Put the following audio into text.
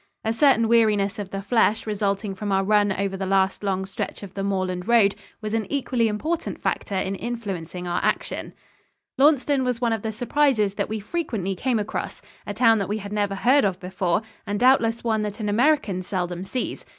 A certain weariness of the flesh, resulting from our run over the last long stretch of the moorland road, was an equally important factor in influencing our action. [Illustration: ON DARTMOOR. From Water Color by Vincent.] Launceston was one of the surprises that we frequently came across a town that we had never heard of before and doubtless one that an American seldom sees.